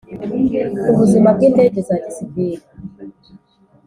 ku buzima bw indege za gisivili